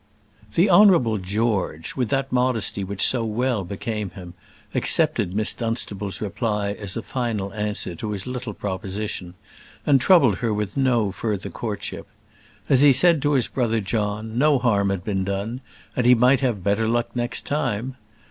The Honourable George, with that modesty which so well became him, accepted Miss Dunstable's reply as a final answer to his little proposition, and troubled her with no further courtship. As he said to his brother John, no harm had been done, and he might have better luck next time.